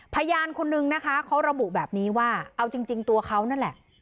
พยานคนนึงนะคะเขาระบุแบบนี้ว่าเอาจริงตัวเขานั่นแหละ